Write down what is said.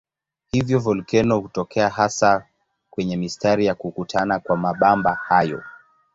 Hivyo volkeno hutokea hasa kwenye mistari ya kukutana kwa mabamba hayo.